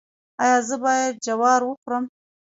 ایا زه باید جوار وخورم؟